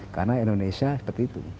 karena indonesia seperti itu